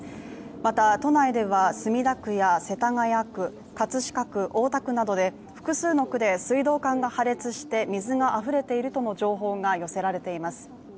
また都内では墨田区や世田谷区、葛飾区、大田区などの複数の区で水道管が破裂して水があふれているとの情報が寄せられています。